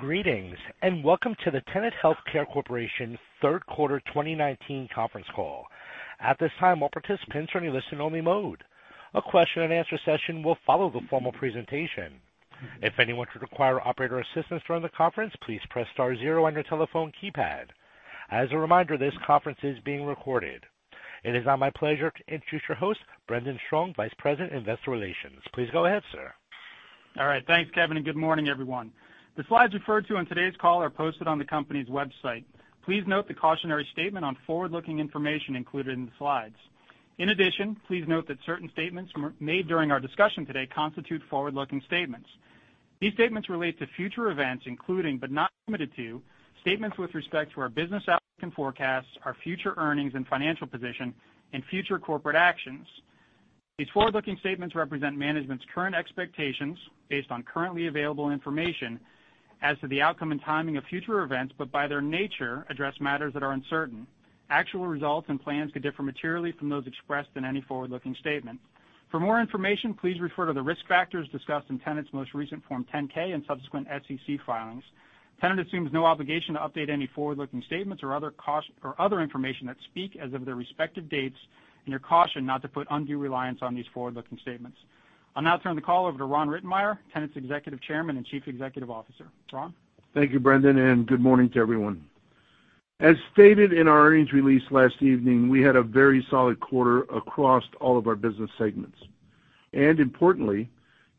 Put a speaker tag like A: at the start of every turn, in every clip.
A: Greetings, welcome to the Tenet Healthcare Corporation third quarter 2019 conference call. At this time, all participants are in listen-only mode. A question and answer session will follow the formal presentation. If anyone should require operator assistance during the conference, please press star zero on your telephone keypad. As a reminder, this conference is being recorded. It is now my pleasure to introduce your host, Brendan Strong, Vice President Investor Relations. Please go ahead, sir.
B: All right. Thanks, Kevin. Good morning, everyone. The slides referred to on today's call are posted on the company's website. Please note the cautionary statement on forward-looking information included in the slides. In addition, please note that certain statements made during our discussion today constitute forward-looking statements. These statements relate to future events, including, but not limited to, statements with respect to our business outlook and forecasts, our future earnings and financial position, and future corporate actions. These forward-looking statements represent management's current expectations based on currently available information as to the outcome and timing of future events, but by their nature, address matters that are uncertain. Actual results and plans could differ materially from those expressed in any forward-looking statement. For more information, please refer to the risk factors discussed in Tenet's most recent Form 10-K and subsequent SEC filings. Tenet assumes no obligation to update any forward-looking statements or other information that speak as of their respective dates, and you're cautioned not to put undue reliance on these forward-looking statements. I'll now turn the call over to Ron Rittenmeyer, Tenet's Executive Chairman and Chief Executive Officer. Ron?
C: Thank you, Brendan, and good morning to everyone. As stated in our earnings release last evening, we had a very solid quarter across all of our business segments, and importantly,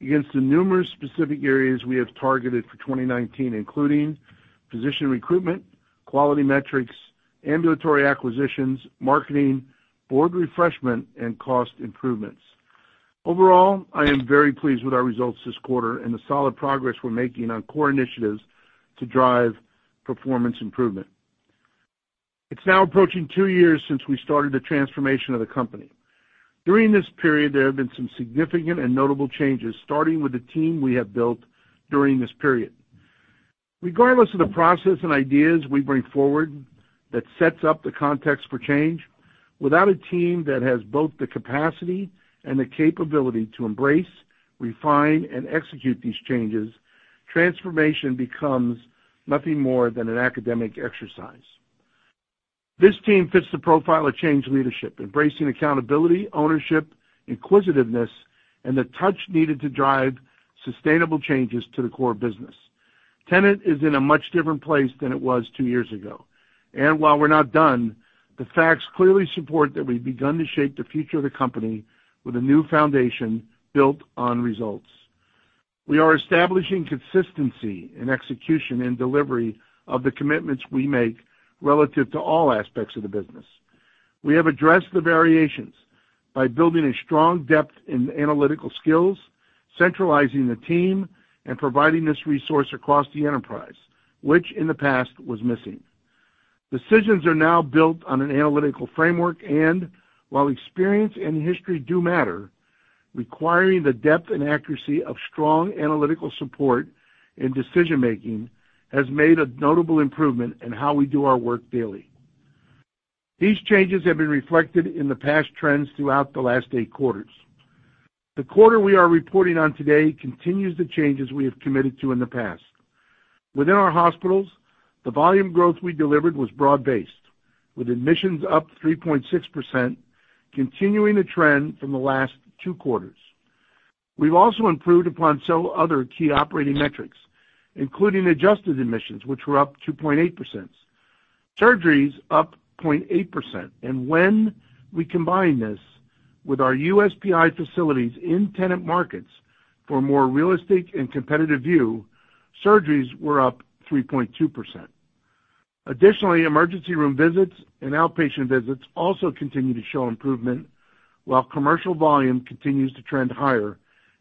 C: against the numerous specific areas we have targeted for 2019, including physician recruitment, quality metrics, ambulatory acquisitions, marketing, board refreshment, and cost improvements. Overall, I am very pleased with our results this quarter and the solid progress we're making on core initiatives to drive performance improvement. It's now approaching two years since we started the transformation of the company. During this period, there have been some significant and notable changes, starting with the team we have built during this period. Regardless of the process and ideas we bring forward that sets up the context for change, without a team that has both the capacity and the capability to embrace, refine, and execute these changes, transformation becomes nothing more than an academic exercise. This team fits the profile of change leadership, embracing accountability, ownership, inquisitiveness, and the touch needed to drive sustainable changes to the core business. Tenet is in a much different place than it was two years ago. While we're not done, the facts clearly support that we've begun to shape the future of the company with a new foundation built on results. We are establishing consistency in execution and delivery of the commitments we make relative to all aspects of the business. We have addressed the variations by building a strong depth in analytical skills, centralizing the team, and providing this resource across the enterprise, which in the past was missing. Decisions are now built on an analytical framework and, while experience and history do matter, requiring the depth and accuracy of strong analytical support in decision-making has made a notable improvement in how we do our work daily. These changes have been reflected in the past trends throughout the last eight quarters. The quarter we are reporting on today continues the changes we have committed to in the past. Within our hospitals, the volume growth we delivered was broad-based, with admissions up 3.6%, continuing the trend from the last two quarters. We've also improved upon several other key operating metrics, including adjusted admissions, which were up 2.8%. Surgeries up 0.8%. When we combine this with our USPI facilities in Tenet markets for a more realistic and competitive view, surgeries were up 3.2%. Additionally, emergency room visits and outpatient visits also continue to show improvement, while commercial volume continues to trend higher.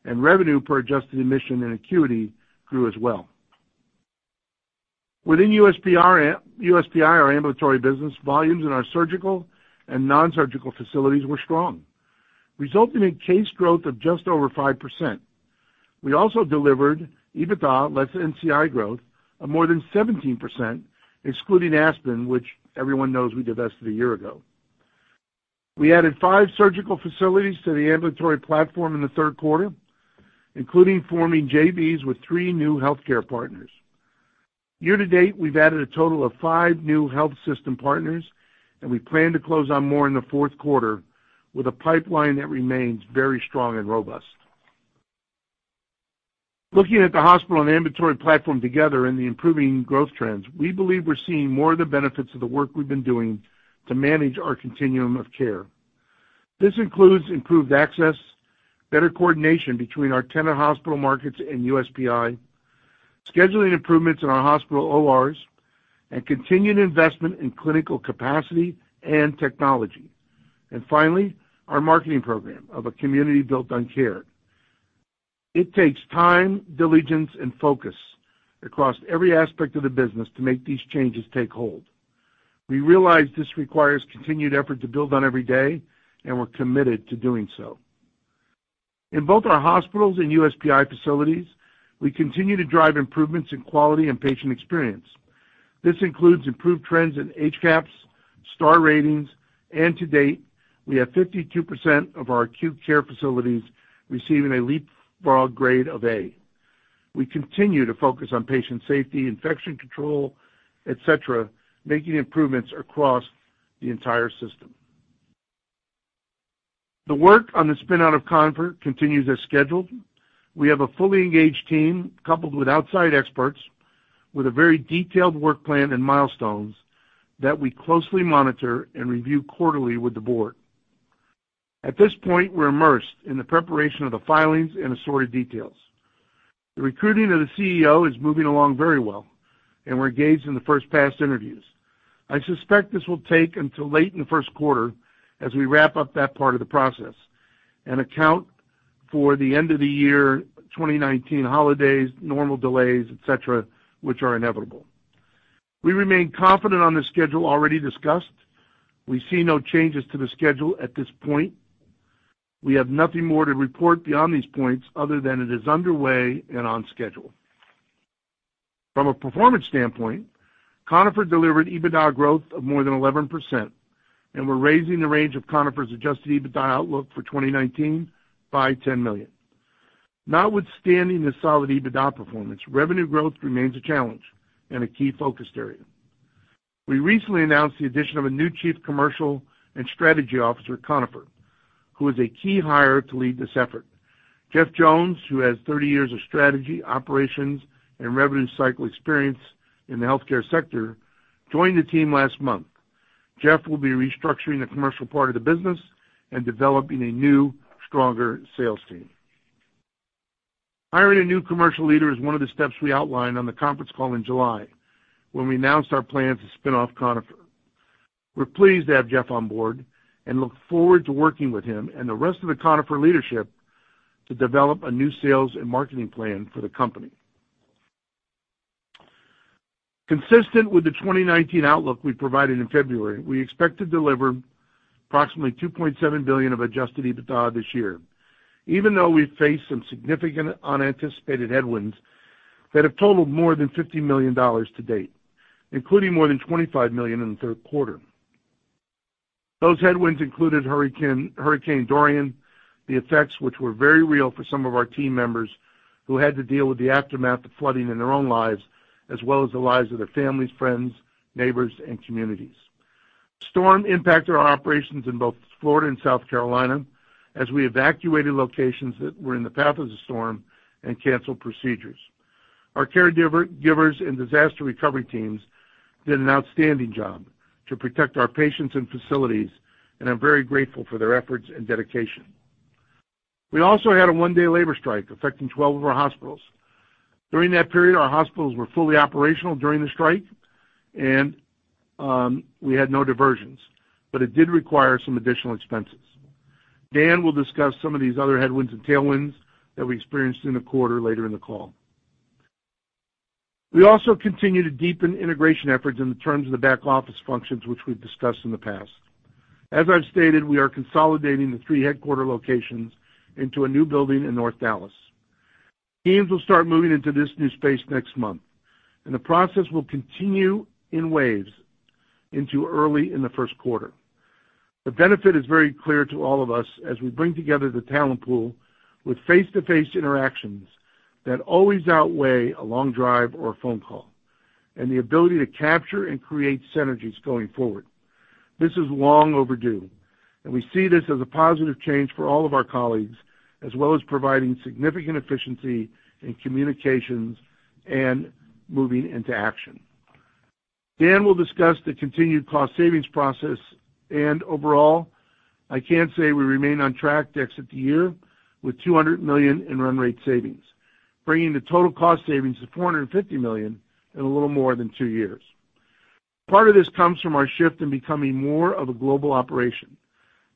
C: Revenue per adjusted admission and acuity grew as well. Within USPI, our ambulatory business, volumes in our surgical and non-surgical facilities were strong, resulting in case growth of just over 5%. We also delivered EBITDA less NCI growth of more than 17%, excluding Aspen, which everyone knows we divested a year ago. We added five surgical facilities to the ambulatory platform in the third quarter, including forming JVs with three new healthcare partners. Year to date, we've added a total of five new health system partners. We plan to close on more in the fourth quarter with a pipeline that remains very strong and robust. Looking at the hospital and ambulatory platform together and the improving growth trends, we believe we're seeing more of the benefits of the work we've been doing to manage our continuum of care. This includes improved access, better coordination between our Tenet hospital markets and USPI, scheduling improvements in our hospital ORs, and continued investment in clinical capacity and technology. Finally, our marketing program of a Community Built on Care. It takes time, diligence, and focus across every aspect of the business to make these changes take hold. We realize this requires continued effort to build on every day, and we're committed to doing so. In both our hospitals and USPI facilities, we continue to drive improvements in quality and patient experience. This includes improved trends in HCAHPS, star ratings, and to date, we have 52% of our acute care facilities receiving a Leapfrog grade of A. We continue to focus on patient safety, infection control, et cetera, making improvements across the entire system. The work on the spin-out of Conifer continues as scheduled. We have a fully engaged team, coupled with outside experts, with a very detailed work plan and milestones that we closely monitor and review quarterly with the board. At this point, we're immersed in the preparation of the filings and assorted details. The recruiting of the CEO is moving along very well, and we're engaged in the first pass interviews. I suspect this will take until late in the first quarter as we wrap up that part of the process and account for the end-of-the-year 2019 holidays, normal delays, et cetera, which are inevitable. We remain confident on the schedule already discussed. We see no changes to the schedule at this point. We have nothing more to report beyond these points other than it is underway and on schedule. From a performance standpoint, Conifer delivered EBITDA growth of more than 11%, and we're raising the range of Conifer's adjusted EBITDA outlook for 2019 by $10 million. Notwithstanding the solid EBITDA performance, revenue growth remains a challenge and a key focus area. We recently announced the addition of a new chief commercial and strategy officer at Conifer, who is a key hire to lead this effort. Jeff Jones, who has 30 years of strategy, operations, and revenue cycle experience in the healthcare sector, joined the team last month. Jeff will be restructuring the commercial part of the business and developing a new, stronger sales team. Hiring a new commercial leader is one of the steps we outlined on the conference call in July, when we announced our plans to spin off Conifer. We're pleased to have Jeff on board and look forward to working with him and the rest of the Conifer leadership to develop a new sales and marketing plan for the company. Consistent with the 2019 outlook we provided in February, we expect to deliver approximately $2.7 billion of adjusted EBITDA this year, even though we face some significant unanticipated headwinds that have totaled more than $50 million to date, including more than $25 million in the third quarter. Those headwinds included Hurricane Dorian, the effects which were very real for some of our team members who had to deal with the aftermath of flooding in their own lives, as well as the lives of their families, friends, neighbors, and communities. The storm impacted our operations in both Florida and South Carolina as we evacuated locations that were in the path of the storm and canceled procedures. Our caregivers and disaster recovery teams did an outstanding job to protect our patients and facilities, and I'm very grateful for their efforts and dedication. We also had a one-day labor strike affecting 12 of our hospitals. During that period, our hospitals were fully operational during the strike, and we had no diversions, but it did require some additional expenses. Dan will discuss some of these other headwinds and tailwinds that we experienced in the quarter later in the call. We also continue to deepen integration efforts in the terms of the back-office functions, which we've discussed in the past. As I've stated, we are consolidating the three headquarter locations into a new building in North Dallas. Teams will start moving into this new space next month, and the process will continue in waves into early in the first quarter. The benefit is very clear to all of us as we bring together the talent pool with face-to-face interactions that always outweigh a long drive or a phone call, and the ability to capture and create synergies going forward. This is long overdue, and we see this as a positive change for all of our colleagues, as well as providing significant efficiency in communications and moving into action. Dan will discuss the continued cost savings process and overall, I can say we remain on track to exit the year with $200 million in run rate savings, bringing the total cost savings to $450 million in a little more than two years. Part of this comes from our shift in becoming more of a global operation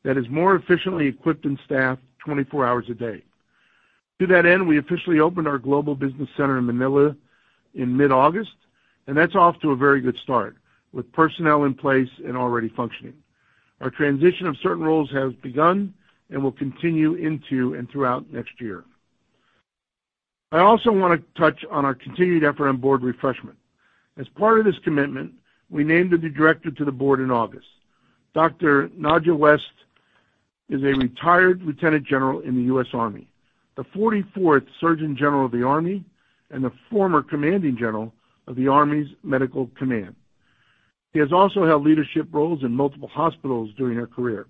C: that is more efficiently equipped and staffed 24 hours a day. To that end, we officially opened our global business center in Manila in mid-August. That's off to a very good start with personnel in place and already functioning. Our transition of certain roles has begun and will continue into and throughout next year. I also want to touch on our continued effort on board refreshment. As part of this commitment, we named a new director to the board in August. Dr. Nadja West is a retired lieutenant general in the U.S. Army, the 44th Surgeon General of the Army, and the former Commanding General of the U.S. Army Medical Command. She has also held leadership roles in multiple hospitals during her career.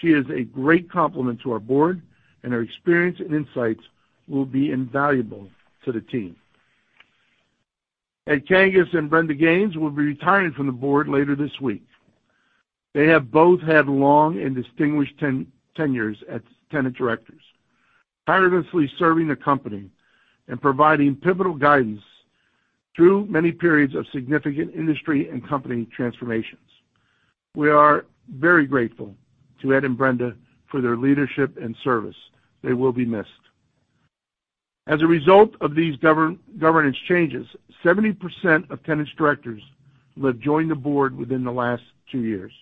C: She is a great complement to our board, and her experience and insights will be invaluable to the team. Ed Kangas and Brenda Gaines will be retiring from the board later this week. They have both had long and distinguished tenures as Tenet directors, tirelessly serving the company and providing pivotal guidance through many periods of significant industry and company transformations. We are very grateful to Ed and Brenda for their leadership and service. They will be missed. As a result of these governance changes, 70% of Tenet's directors will have joined the board within the last two years.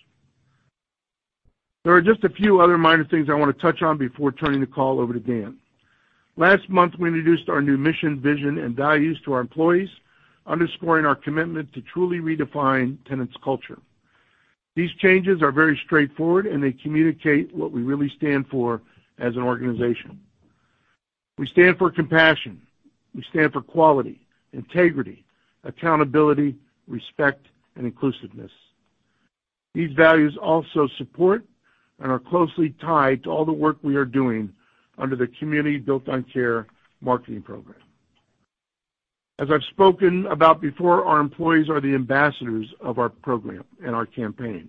C: There are just a few other minor things I want to touch on before turning the call over to Dan. Last month, we introduced our new mission, vision, and values to our employees, underscoring our commitment to truly redefine Tenet's culture. These changes are very straightforward, and they communicate what we really stand for as an organization. We stand for compassion. We stand for quality, integrity, accountability, respect, and inclusiveness. These values also support and are closely tied to all the work we are doing under the Community Built on Care marketing program. As I've spoken about before, our employees are the ambassadors of our program and our campaign.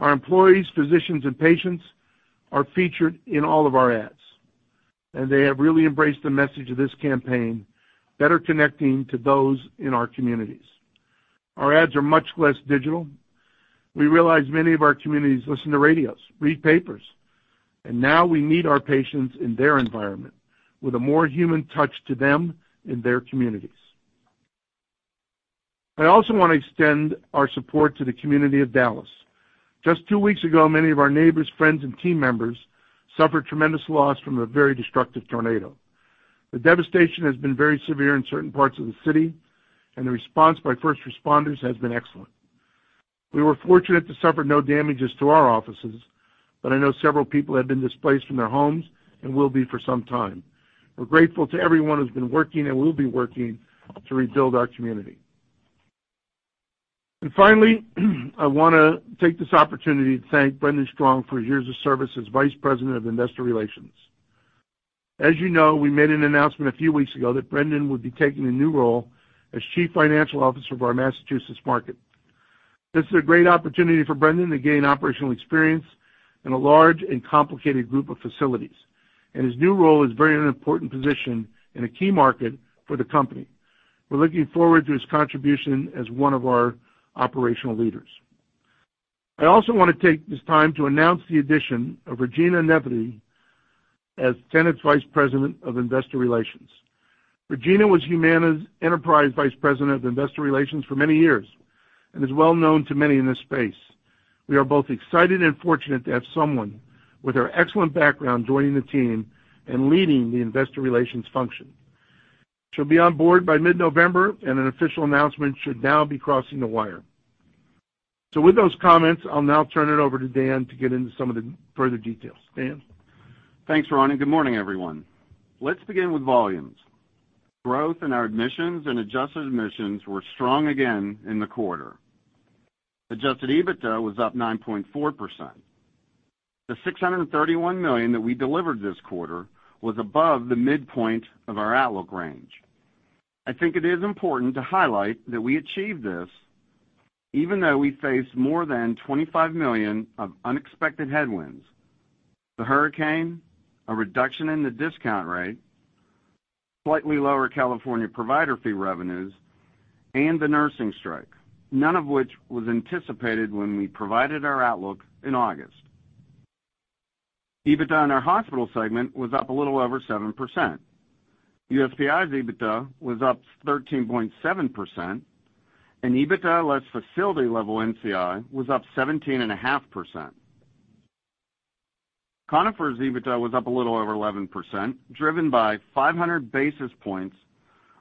C: Our employees, physicians, and patients are featured in all of our ads, and they have really embraced the message of this campaign, better connecting to those in our communities. Our ads are much less digital. We realize many of our communities listen to radios, read papers, and now we meet our patients in their environment with a more human touch to them in their communities. I also want to extend our support to the community of Dallas. Just two weeks ago, many of our neighbors, friends, and team members suffered tremendous loss from a very destructive tornado. The devastation has been very severe in certain parts of the city, and the response by first responders has been excellent. We were fortunate to suffer no damages to our offices, but I know several people have been displaced from their homes and will be for some time. We're grateful to everyone who's been working and will be working to rebuild our community. Finally, I want to take this opportunity to thank Brendan Strong for years of service as Vice President of Investor Relations. As you know, we made an announcement a few weeks ago that Brendan would be taking a new role as Chief Financial Officer of our Massachusetts market. This is a great opportunity for Brendan to gain operational experience in a large and complicated group of facilities, and his new role is very an important position in a key market for the company. We're looking forward to his contribution as one of our operational leaders. I also want to take this time to announce the addition of Regina Nethery as Tenet's Vice President of Investor Relations. Regina was Humana's enterprise vice president of investor relations for many years and is well known to many in this space. We are both excited and fortunate to have someone with her excellent background joining the team and leading the investor relations function. She'll be on board by mid-November, and an official announcement should now be crossing the wire. With those comments, I'll now turn it over to Dan to get into some of the further details. Dan?
D: Thanks, Ron, good morning, everyone. Let's begin with volumes. Growth in our admissions and adjusted admissions were strong again in the quarter. Adjusted EBITDA was up 9.4%. The $631 million that we delivered this quarter was above the midpoint of our outlook range. I think it is important to highlight that we achieved this even though we faced more than $25 million of unexpected headwinds: the Hurricane, a reduction in the discount rate, slightly lower California provider fee revenues, and the nursing strike, none of which was anticipated when we provided our outlook in August. EBITDA in our hospital segment was up a little over 7%. USPI's EBITDA was up 13.7%, and EBITDA less facility level NCI was up 17.5%. Conifer's EBITDA was up a little over 11%, driven by 500 basis points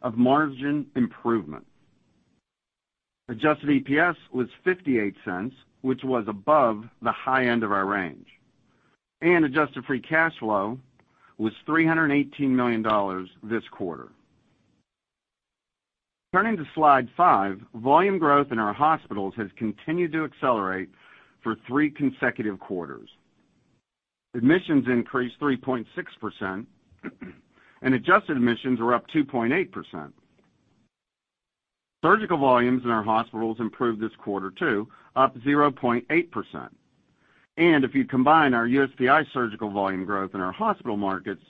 D: of margin improvement. Adjusted EPS was $0.58, which was above the high end of our range. Adjusted free cash flow was $318 million this quarter. Turning to slide five, volume growth in our hospitals has continued to accelerate for three consecutive quarters. Admissions increased 3.6%, and adjusted admissions were up 2.8%. Surgical volumes in our hospitals improved this quarter, too, up 0.8%. If you combine our USPI surgical volume growth in our hospital markets,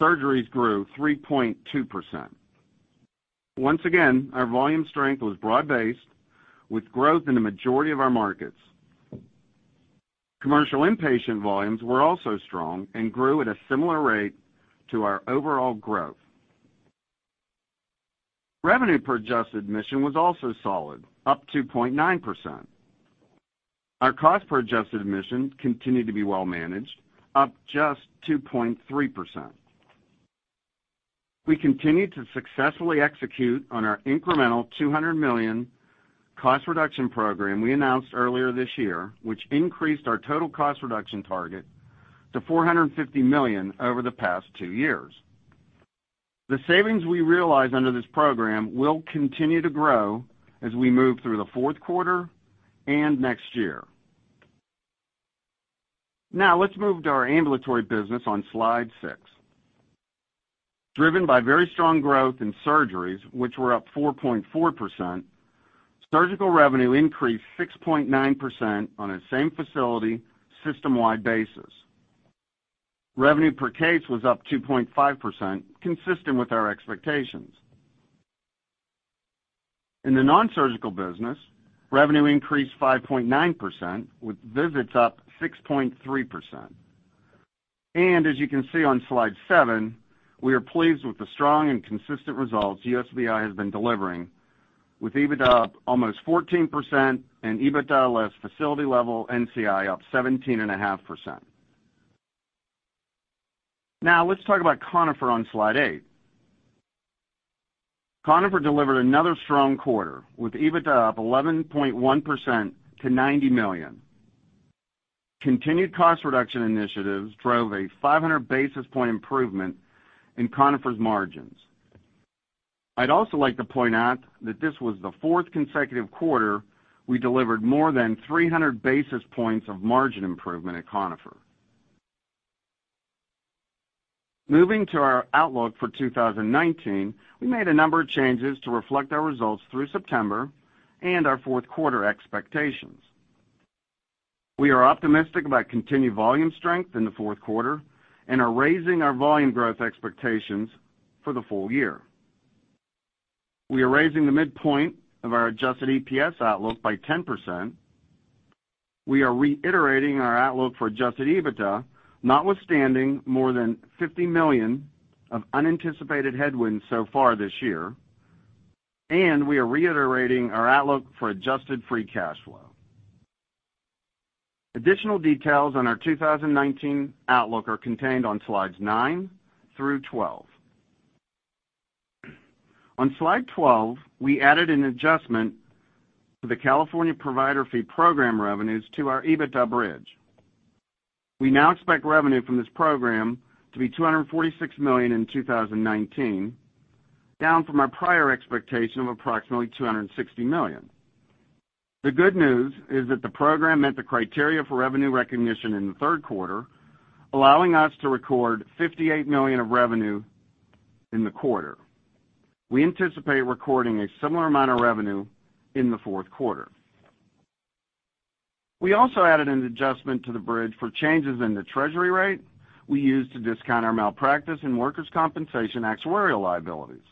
D: surgeries grew 3.2%. Once again, our volume strength was broad-based with growth in the majority of our markets. Commercial inpatient volumes were also strong and grew at a similar rate to our overall growth. Revenue per adjusted admission was also solid, up 2.9%. Our cost per adjusted admission continued to be well managed, up just 2.3%. We continued to successfully execute on our incremental $200 million cost reduction program we announced earlier this year, which increased our total cost reduction target to $450 million over the past 2 years. The savings we realize under this program will continue to grow as we move through the fourth quarter and next year. Let's move to our ambulatory business on slide six. Driven by very strong growth in surgeries, which were up 4.4%, surgical revenue increased 6.9% on a same-facility, system-wide basis. Revenue per case was up 2.5%, consistent with our expectations. In the nonsurgical business, revenue increased 5.9%, with visits up 6.3%. As you can see on slide seven, we are pleased with the strong and consistent results USPI has been delivering, with EBITDA up almost 14% and EBITDA less facility level NCI up 17.5%. Now let's talk about Conifer on slide eight. Conifer delivered another strong quarter, with EBITDA up 11.1% to $90 million. Continued cost reduction initiatives drove a 500 basis point improvement in Conifer's margins. I'd also like to point out that this was the fourth consecutive quarter we delivered more than 300 basis points of margin improvement at Conifer. Moving to our outlook for 2019, we made a number of changes to reflect our results through September and our fourth quarter expectations. We are optimistic about continued volume strength in the fourth quarter and are raising our volume growth expectations for the full year. We are raising the midpoint of our adjusted EPS outlook by 10%. We are reiterating our outlook for adjusted EBITDA, notwithstanding more than $50 million of unanticipated headwinds so far this year, and we are reiterating our outlook for adjusted free cash flow. Additional details on our 2019 outlook are contained on slides nine through 12. On slide 12, we added an adjustment for the California Provider Fee program revenues to our EBITDA bridge. We now expect revenue from this program to be $246 million in 2019, down from our prior expectation of approximately $260 million. The good news is that the program met the criteria for revenue recognition in the third quarter, allowing us to record $58 million of revenue in the quarter. We anticipate recording a similar amount of revenue in the fourth quarter. We also added an adjustment to the bridge for changes in the treasury rate we use to discount our malpractice and workers' compensation actuarial liabilities.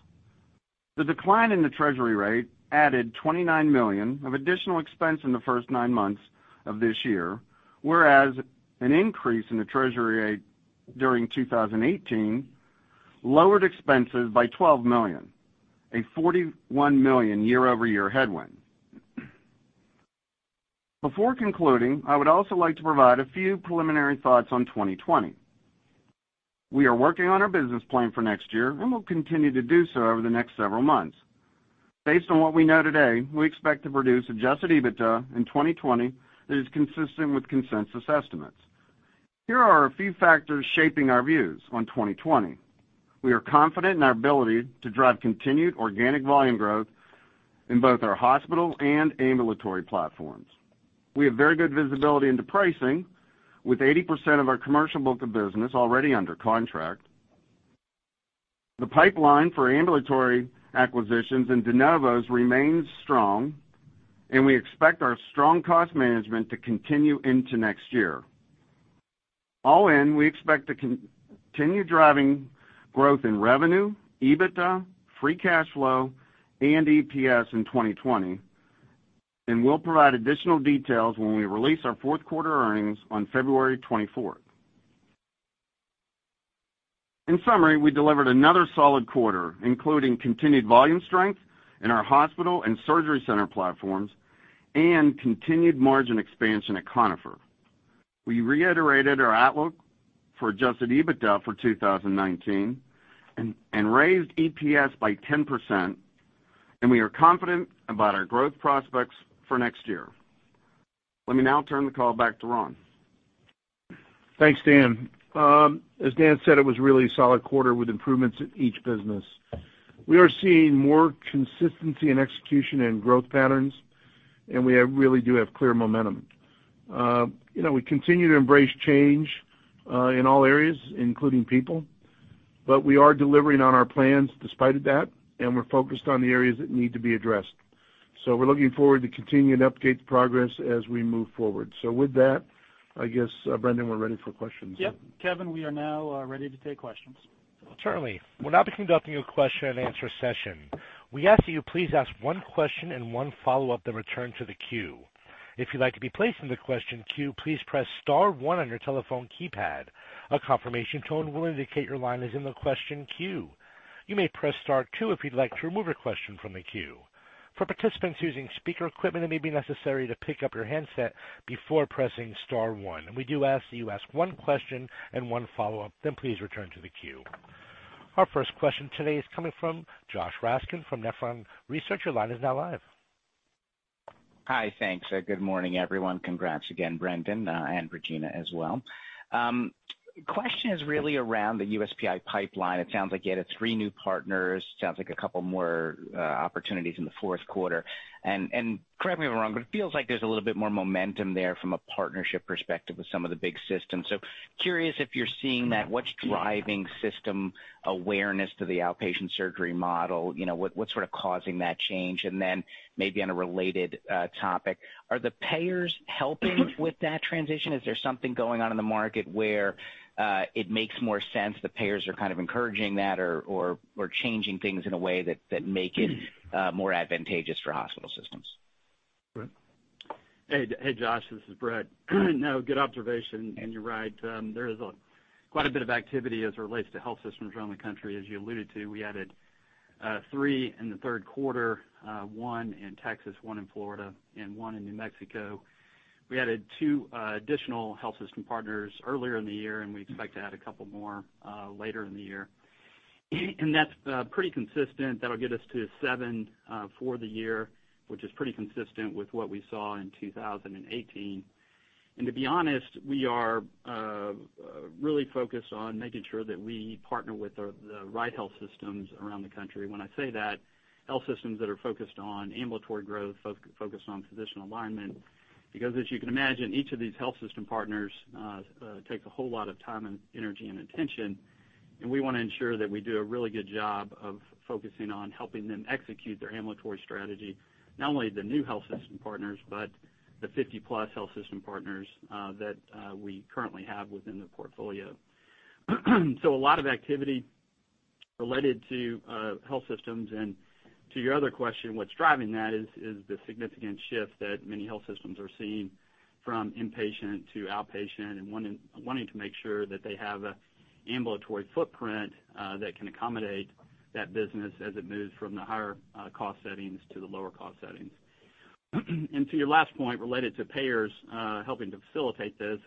D: The decline in the treasury rate added $29 million of additional expense in the first nine months of this year, whereas an increase in the treasury rate during 2018 lowered expenses by $12 million, a $41 million year-over-year headwind. Before concluding, I would also like to provide a few preliminary thoughts on 2020. We are working on our business plan for next year and will continue to do so over the next several months. Based on what we know today, we expect to produce adjusted EBITDA in 2020 that is consistent with consensus estimates. Here are a few factors shaping our views on 2020. We are confident in our ability to drive continued organic volume growth in both our hospital and ambulatory platforms. We have very good visibility into pricing, with 80% of our commercial book of business already under contract. The pipeline for ambulatory acquisitions and de novos remains strong. We expect our strong cost management to continue into next year. All in, we expect to continue driving growth in revenue, EBITDA, free cash flow, and EPS in 2020. We'll provide additional details when we release our fourth quarter earnings on February 24th. In summary, we delivered another solid quarter, including continued volume strength in our hospital and surgery center platforms and continued margin expansion at Conifer. We reiterated our outlook for adjusted EBITDA for 2019 and raised EPS by 10%. We are confident about our growth prospects for next year. Let me now turn the call back to Ron.
C: Thanks, Dan. As Dan said, it was really a solid quarter with improvements in each business. We are seeing more consistency in execution and growth patterns, and we really do have clear momentum. We continue to embrace change, in all areas, including people, but we are delivering on our plans despite of that, and we're focused on the areas that need to be addressed. We're looking forward to continuing to update the progress as we move forward. With that, I guess, Brendan, we're ready for questions.
D: Yep. Kevin, we are now ready to take questions.
A: Certainly. We'll now be conducting a question and answer session. We ask that you please ask one question and one follow-up, then return to the queue. If you'd like to be placed in the question queue, please press *1 on your telephone keypad. A confirmation tone will indicate your line is in the question queue. You may press *2 if you'd like to remove a question from the queue. For participants using speaker equipment, it may be necessary to pick up your handset before pressing *1. We do ask that you ask one question and one follow-up, then please return to the queue. Our first question today is coming from Josh Raskin from Nephron Research. Your line is now live.
E: Hi. Thanks. Good morning, everyone. Congrats again, Brendan, and Regina as well. Question is really around the USPI pipeline. It sounds like you added three new partners, sounds like a couple more opportunities in the fourth quarter. Correct me if I'm wrong, but it feels like there's a little bit more momentum there from a partnership perspective with some of the big systems. Curious if you're seeing that. What's driving system awareness to the outpatient surgery model? What's sort of causing that change? Maybe on a related topic, are the payers helping with that transition? Is there something going on in the market where it makes more sense, the payers are kind of encouraging that or changing things in a way that make it more advantageous for hospitals?
F: [Brett].
G: Hey, Josh, this is [Brett]. No, good observation. You're right, there is quite a bit of activity as it relates to health systems around the country, as you alluded to. We added three in the third quarter, one in Texas, one in Florida, and one in New Mexico. We added two additional health system partners earlier in the year, we expect to add a couple more later in the year. That's pretty consistent. That'll get us to seven for the year, which is pretty consistent with what we saw in 2018. To be honest, we are really focused on making sure that we partner with the right health systems around the country. When I say that, health systems that are focused on ambulatory growth, focused on physician alignment. As you can imagine, each of these health system partners takes a whole lot of time and energy and attention, and we want to ensure that we do a really good job of focusing on helping them execute their ambulatory strategy. Not only the new health system partners, but the 50-plus health system partners that we currently have within the portfolio. A lot of activity related to health systems. To your other question, what's driving that is the significant shift that many health systems are seeing from inpatient to outpatient, and wanting to make sure that they have an ambulatory footprint that can accommodate that business as it moves from the higher cost settings to the lower cost settings. To your last point, related to payers helping to facilitate this,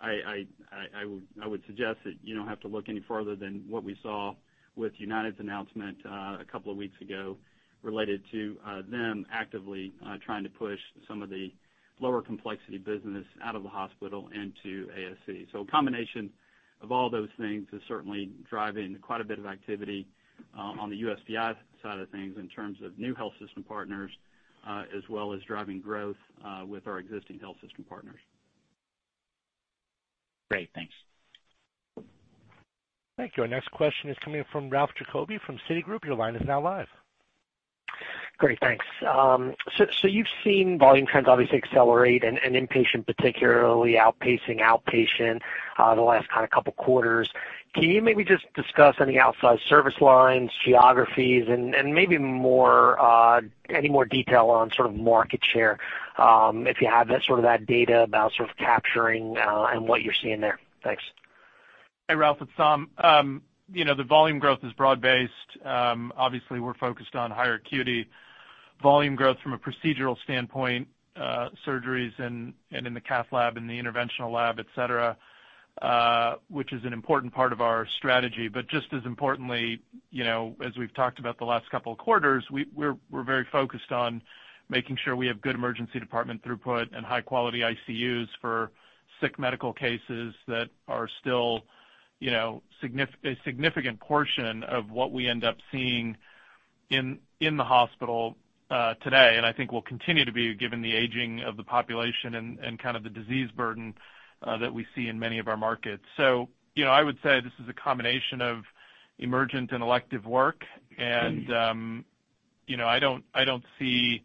G: I would suggest that you don't have to look any further than what we saw with UnitedHealthcare's announcement a couple of weeks ago related to them actively trying to push some of the lower complexity business out of the hospital into ASC. A combination of all those things is certainly driving quite a bit of activity on the USPI side of things in terms of new health system partners, as well as driving growth with our existing health system partners. Great. Thanks.
A: Thank you. Our next question is coming from Ralph Giacobbe from Citigroup. Your line is now live.
H: Great, thanks. You've seen volume trends obviously accelerate and inpatient particularly outpacing outpatient the last two quarters. Can you maybe just discuss any outsized service lines, geographies, and any more detail on market share if you have that sort of data about capturing and what you're seeing there? Thanks.
F: Hey, Ralph, it's Saum. The volume growth is broad based. Obviously, we're focused on higher acuity volume growth from a procedural standpoint, surgeries, and in the cath lab and the interventional lab, et cetera, which is an important part of our strategy. Just as importantly, as we've talked about the last couple of quarters, we're very focused on making sure we have good emergency department throughput and high-quality ICUs for sick medical cases that are still a significant portion of what we end up seeing in the hospital today, and I think will continue to be, given the aging of the population and the disease burden that we see in many of our markets. I would say this is a combination of emergent and elective work, and I don't see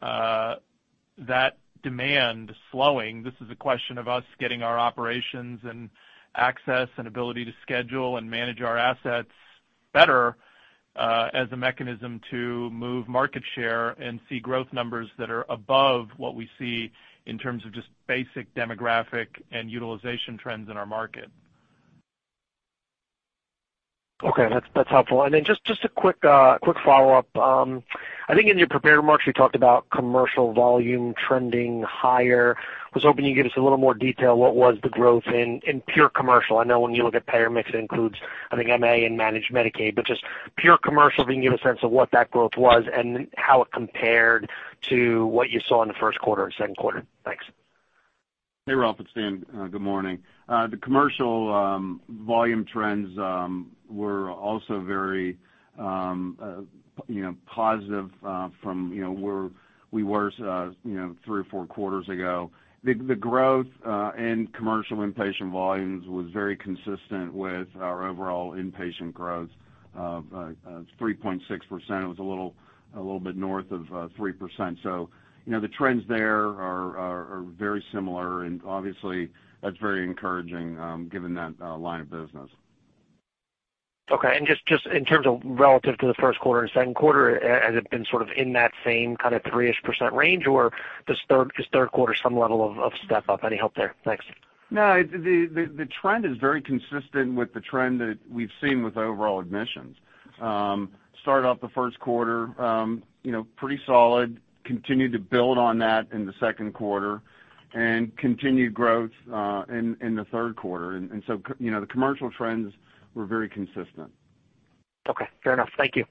F: that demand slowing. This is a question of us getting our operations and access and ability to schedule and manage our assets better as a mechanism to move market share and see growth numbers that are above what we see in terms of just basic demographic and utilization trends in our market.
H: Okay, that's helpful. Just a quick follow-up. I think in your prepared remarks, you talked about commercial volume trending higher. I was hoping you could give us a little more detail. What was the growth in pure commercial? I know when you look at payer mix, it includes, I think MA and managed Medicaid, but just pure commercial, if you can give a sense of what that growth was and how it compared to what you saw in the first quarter and second quarter. Thanks.
D: Hey, Ralph, it's Dan. Good morning. The commercial volume trends were also very positive from where we were three or four quarters ago. The growth in commercial inpatient volumes was very consistent with our overall inpatient growth of 3.6%. It was a little bit north of 3%. The trends there are very similar, and obviously, that's very encouraging given that line of business.
H: Okay. Just in terms of relative to the first quarter and second quarter, has it been in that same kind of 3-ish% range, or is third quarter some level of step up? Any help there? Thanks.
D: No, the trend is very consistent with the trend that we've seen with overall admissions. Start off the first quarter pretty solid, continued to build on that in the second quarter, and continued growth in the third quarter. The commercial trends were very consistent.
H: Okay, fair enough. Thank you.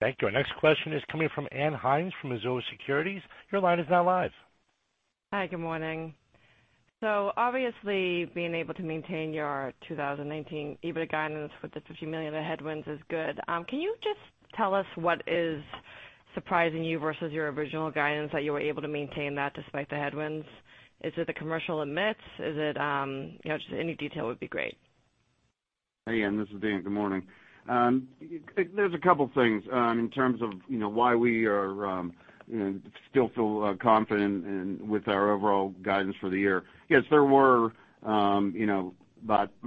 A: Thank you. Our next question is coming from Ann Hynes from Mizuho Securities. Your line is now live.
I: Hi, good morning. Obviously, being able to maintain your 2019 EBITDA guidance with the $50 million of headwinds is good. Can you just tell us what is surprising you versus your original guidance that you were able to maintain that despite the headwinds? Is it the commercial admits? Just any detail would be great.
D: Hey, Ann, this is Dan. Good morning. There's a couple of things in terms of why we still feel confident with our overall guidance for the year. Yes, there was more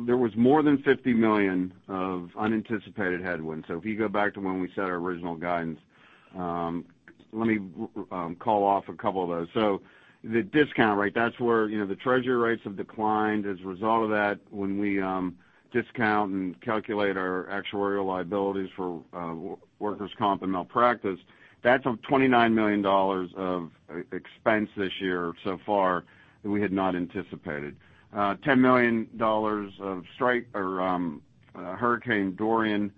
D: than $50 million of unanticipated headwinds. If you go back to when we set our original guidance The discount rate, that's where the treasury rates have declined as a result of that when we discount and calculate our actuarial liabilities for workers' comp and malpractice. That's $29 million of expense this year so far that we had not anticipated. $10 million of strike or Hurricane Dorian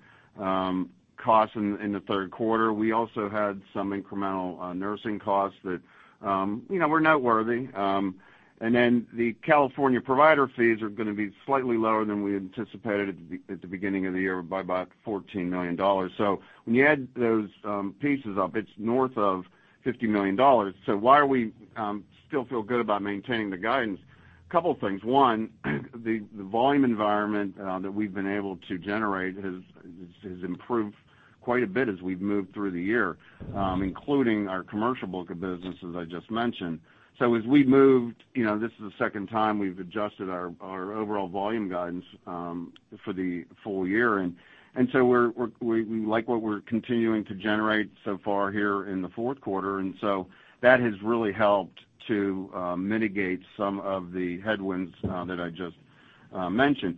D: costs in the third quarter. We also had some incremental nursing costs that were noteworthy. The California provider fees are going to be slightly lower than we anticipated at the beginning of the year by about $14 million. When you add those pieces up, it's north of $50 million. Why we still feel good about maintaining the guidance? A couple things. One, the volume environment that we've been able to generate has improved quite a bit as we've moved through the year, including our commercial book of business, as I just mentioned. As we moved, this is the second time we've adjusted our overall volume guidance for the full year. We like what we're continuing to generate so far here in the fourth quarter, and so that has really helped to mitigate some of the headwinds that I just mentioned.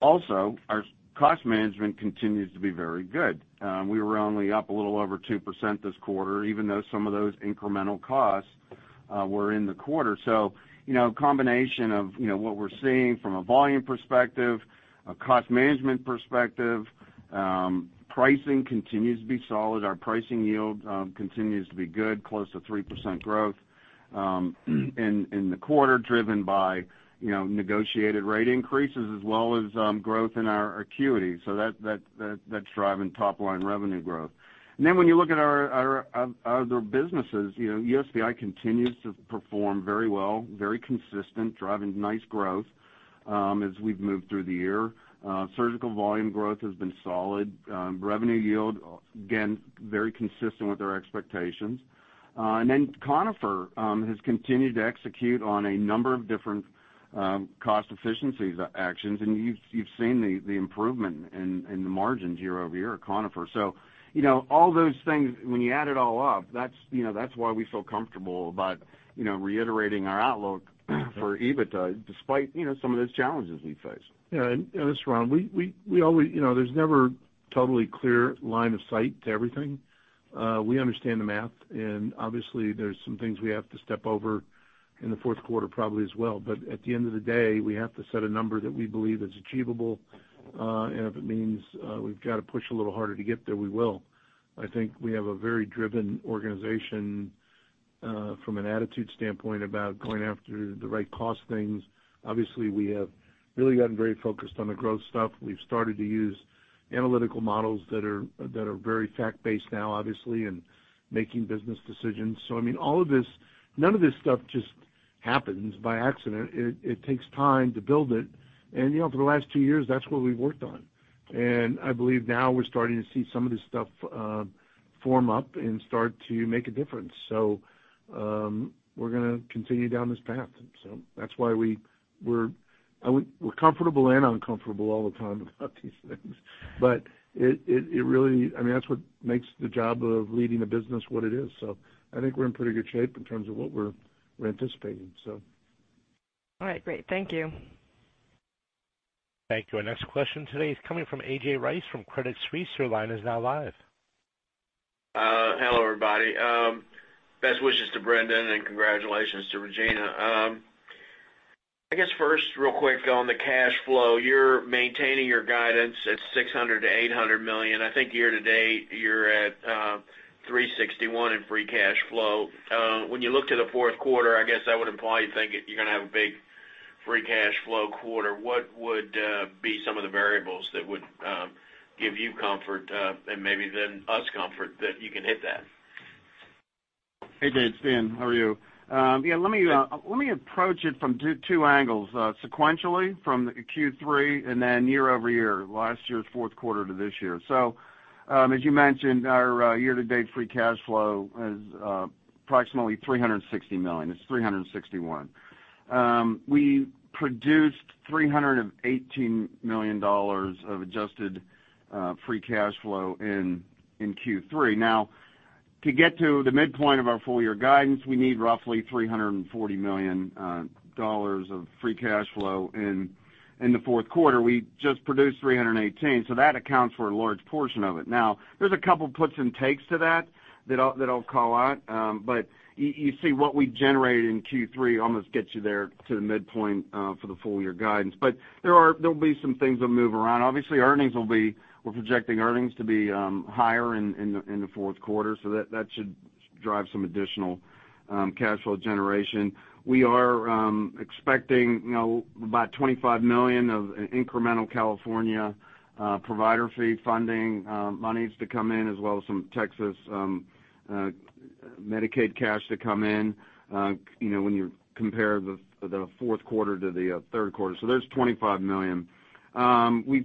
D: Also, our cost management continues to be very good. We were only up a little over 2% this quarter, even though some of those incremental costs were in the quarter. A combination of what we're seeing from a volume perspective, a cost management perspective. Pricing continues to be solid. Our pricing yield continues to be good, close to 3% growth in the quarter, driven by negotiated rate increases as well as growth in our acuity. That's driving top-line revenue growth. When you look at our other businesses, USPI continues to perform very well, very consistent, driving nice growth as we've moved through the year. Surgical volume growth has been solid. Revenue yield, again, very consistent with our expectations. Conifer has continued to execute on a number of different cost efficiency actions, and you've seen the improvement in the margins year-over-year at Conifer. All those things, when you add it all up, that's why we feel comfortable about reiterating our outlook for EBITDA, despite some of those challenges we face.
C: Yeah, this is Ron. There's never a totally clear line of sight to everything. We understand the math, and obviously, there's some things we have to step over in the fourth quarter probably as well. At the end of the day, we have to set a number that we believe is achievable. If it means we've got to push a little harder to get there, we will. I think we have a very driven organization from an attitude standpoint about going after the right cost things. Obviously, we have really gotten very focused on the growth stuff. We've started to use analytical models that are very fact-based now, obviously, in making business decisions. None of this stuff just happens by accident. It takes time to build it. For the last two years, that's what we've worked on. I believe now we're starting to see some of this stuff form up and start to make a difference. We're going to continue down this path. That's why we're comfortable and uncomfortable all the time about these things. That's what makes the job of leading a business what it is. I think we're in pretty good shape in terms of what we're anticipating.
I: All right, great. Thank you.
A: Thank you. Our next question today is coming from A.J. Rice from Credit Suisse. Your line is now live.
J: Hello, everybody. Best wishes to Brendan, and congratulations to Regina. I guess first, real quick on the cash flow, you're maintaining your guidance at $600 million-$800 million. I think year-to-date, you're at $361 million in free cash flow. When you look to the fourth quarter, I guess I would imply you think you're going to have a big free cash flow quarter. What would be some of the variables that would give you comfort, and maybe then us comfort that you can hit that?
D: Hey, A.J. It's Dan. How are you? Yeah, let me approach it from two angles. Sequentially from Q3 and then year-over-year, last year's fourth quarter to this year. As you mentioned, our year-to-date free cash flow is approximately $360 million. It's $361 million. We produced $318 million of adjusted free cash flow in Q3. To get to the midpoint of our full-year guidance, we need roughly $340 million of free cash flow in the fourth quarter. We just produced $318 million, that accounts for a large portion of it. There's a couple puts and takes to that that I'll call out. You see what we generated in Q3 almost gets you there to the midpoint for the full-year guidance. There'll be some things that move around. We're projecting earnings to be higher in the fourth quarter, that should drive some additional cash flow generation. We are expecting about $25 million of incremental California provider fee funding monies to come in, as well as some Texas Medicaid cash to come in when you compare the fourth quarter to the third quarter. There's $25 million. We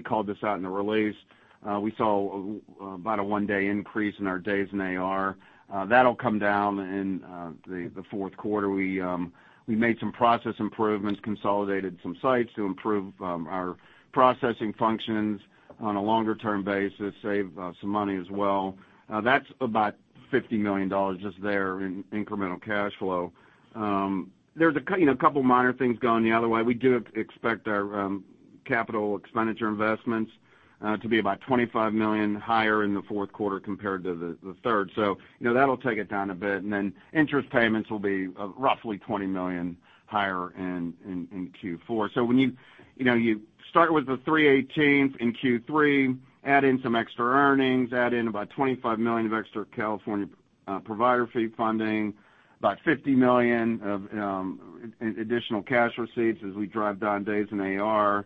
D: called this out in the release. We saw about a one-day increase in our days in AR. That'll come down in the fourth quarter. We made some process improvements, consolidated some sites to improve our processing functions on a longer-term basis, save some money as well. That's about $50 million just there in incremental cash flow. There's a couple minor things going the other way. We do expect our capital expenditure investments to be about $25 million higher in the fourth quarter compared to the third. That'll take it down a bit, and then interest payments will be roughly $20 million higher in Q4. When you start with the $318 in Q3, add in some extra earnings, add in about $25 million of extra California provider fee funding, about $50 million of additional cash receipts as we drive down days in AR,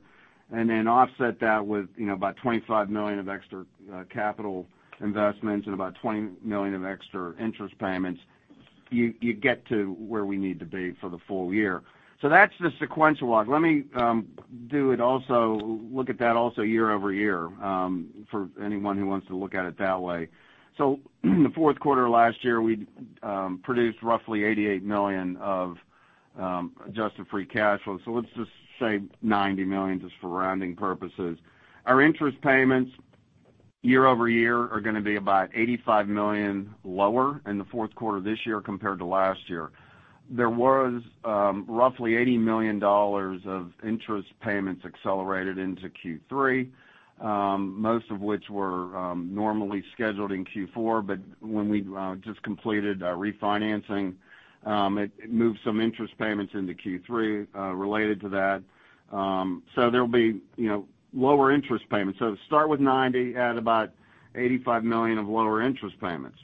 D: and then offset that with about $25 million of extra capital investments and about $20 million of extra interest payments, you get to where we need to be for the full year. That's the sequential walk. Let me look at that also year-over-year for anyone who wants to look at it that way. In the fourth quarter last year, we produced roughly $88 million of adjusted free cash flow. Let's just say $90 million just for rounding purposes. Our interest payments year-over-year are going to be about $85 million lower in the fourth quarter this year compared to last year. There was roughly $80 million of interest payments accelerated into Q3, most of which were normally scheduled in Q4, but when we just completed refinancing, it moved some interest payments into Q3 related to that. There will be lower interest payments. Start with $90 at about $85 million of lower interest payments.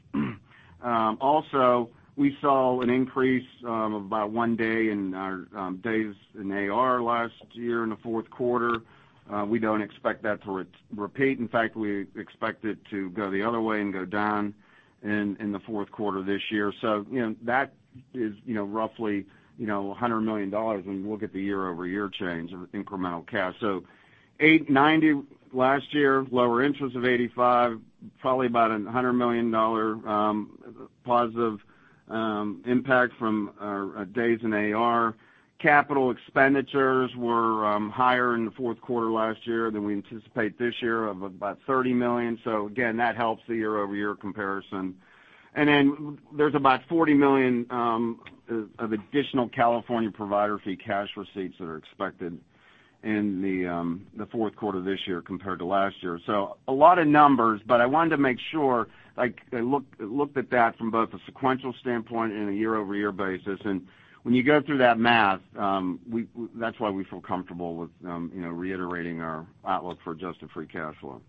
D: Also, we saw an increase of about one day in our days in AR last year in the fourth quarter. We don't expect that to repeat. In fact, we expect it to go the other way and go down in the fourth quarter this year. That is roughly $100 million when you look at the year-over-year change of incremental cash. Last year, $890, lower interest of $85, probably about a $100 million positive impact from our days in AR. Capital expenditures were higher in the fourth quarter last year than we anticipate this year of about $30 million. Again, that helps the year-over-year comparison. There's about $40 million of additional California Provider Fee cash receipts that are expected in the fourth quarter this year compared to last year. A lot of numbers, but I wanted to make sure I looked at that from both a sequential standpoint and a year-over-year basis. When you go through that math, that's why we feel comfortable with reiterating our outlook for adjusted free cash flow.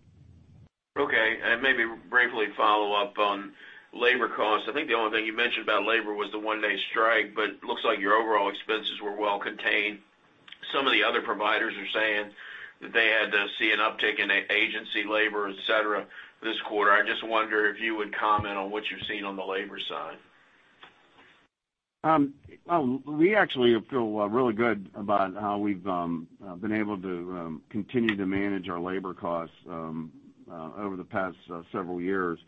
J: Okay, maybe briefly follow up on labor costs. I think the only thing you mentioned about labor was the one-day strike, but it looks like your overall expenses were well contained. Some of the other providers are saying that they had to see an uptick in agency labor, et cetera, this quarter. I just wonder if you would comment on what you've seen on the labor side.
D: We actually feel really good about how we've been able to continue to manage our labor costs over the past several years.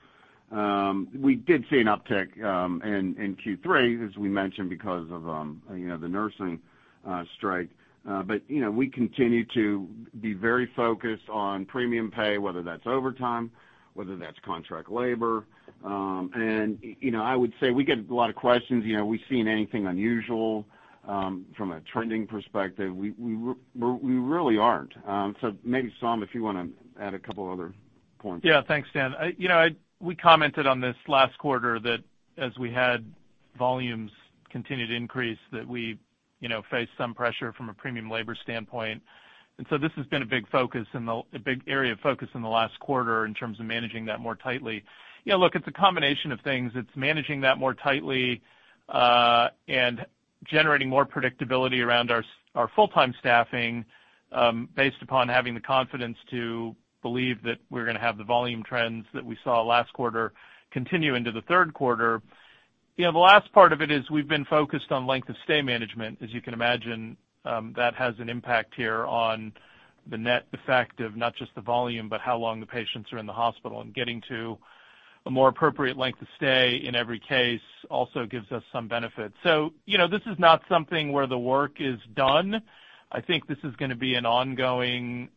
D: We did see an uptick in Q3, as we mentioned, because of the nursing strike. We continue to be very focused on premium pay, whether that's overtime, whether that's contract labor. I would say we get a lot of questions, we've seen anything unusual from a trending perspective. We really aren't. Maybe, Saum, if you want to add a couple other points.
F: Yeah, thanks, Dan. We commented on this last quarter that as we had volumes continue to increase, that we faced some pressure from a premium labor standpoint. This has been a big area of focus in the last quarter in terms of managing that more tightly. Look, it's a combination of things. It's managing that more tightly and generating more predictability around our full-time staffing based upon having the confidence to believe that we're going to have the volume trends that we saw last quarter continue into the third quarter. The last part of it is we've been focused on length of stay management. As you can imagine, that has an impact here on the net effect of not just the volume, but how long the patients are in the hospital and getting to a more appropriate length of stay in every case also gives us some benefit. This is not something where the work is done. I think this is going to be an ongoing,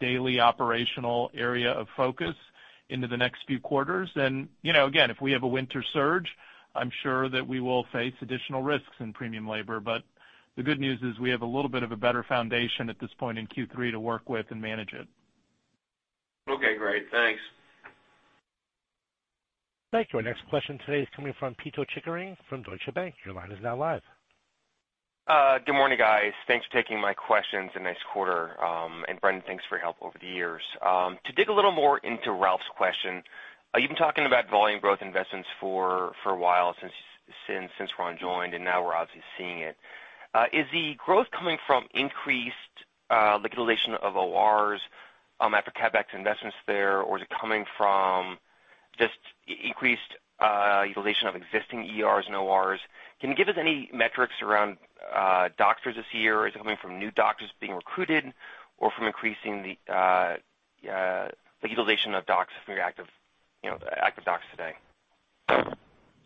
F: daily operational area of focus into the next few quarters. Again, if we have a winter surge, I'm sure that we will face additional risks in premium labor. The good news is we have a little bit of a better foundation at this point in Q3 to work with and manage it.
J: Okay, great. Thanks.
A: Thank you. Our next question today is coming from Pito Chickering from Deutsche Bank. Your line is now live.
K: Good morning, guys. Thanks for taking my questions, nice quarter. Brendan, thanks for your help over the years. To dig a little more into Ralph's question, you've been talking about volume growth investments for a while, since Ron joined, and now we're obviously seeing it. Is the growth coming from increased utilization of ORs after CapEx investments there, or is it coming from just increased utilization of existing ERs and ORs. Can you give us any metrics around doctors this year? Is it coming from new doctors being recruited or from increasing the utilization of doctors from your active doctors today?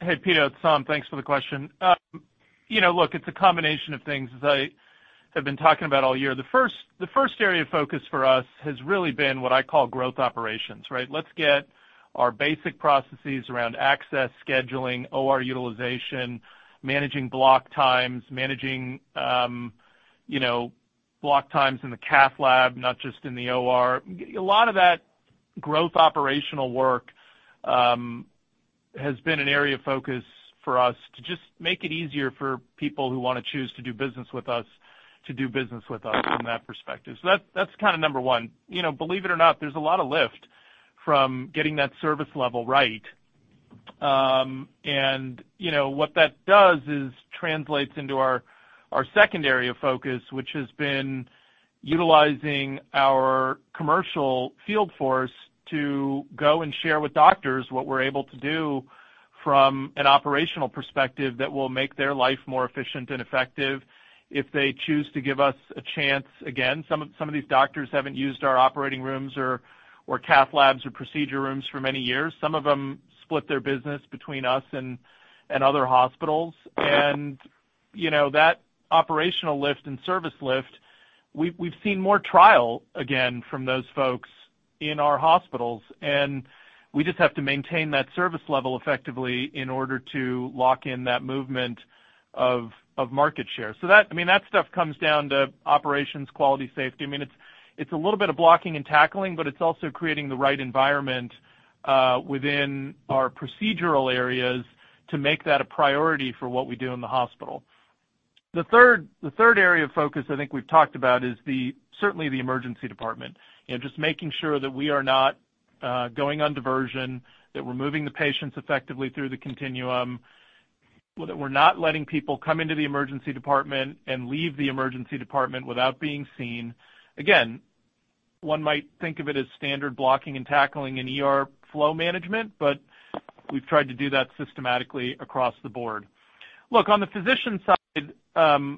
F: Hey, Pito, it's Saum. Thanks for the question. It's a combination of things, as I have been talking about all year. The first area of focus for us has really been what I call growth operations, right? Let's get our basic processes around access, scheduling, OR utilization, managing block times, managing block times in the cath lab, not just in the OR. A lot of that growth operational work has been an area of focus for us to just make it easier for people who want to choose to do business with us, to do business with us from that perspective. That's kind of number 1. Believe it or not, there's a lot of lift from getting that service level right. What that does is translates into our second area of focus, which has been utilizing our commercial field force to go and share with doctors what we're able to do from an operational perspective that will make their life more efficient and effective if they choose to give us a chance again. Some of these doctors haven't used our operating rooms or cath labs or procedure rooms for many years. Some of them split their business between us and other hospitals. That operational lift and service lift, we've seen more trial again from those folks in our hospitals, and we just have to maintain that service level effectively in order to lock in that movement of market share. That stuff comes down to operations, quality, safety. It's a little bit of blocking and tackling, but it's also creating the right environment within our procedural areas to make that a priority for what we do in the hospital. The third area of focus I think we've talked about is certainly the emergency department. Just making sure that we are not going on diversion, that we're moving the patients effectively through the continuum, that we're not letting people come into the emergency department and leave the emergency department without being seen. Again, one might think of it as standard blocking and tackling in ER flow management. We've tried to do that systematically across the board. Look, on the physician side, I